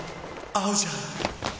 合うじゃん！！